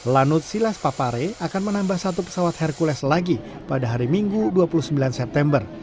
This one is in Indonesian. lanut silas papare akan menambah satu pesawat hercules lagi pada hari minggu dua puluh sembilan september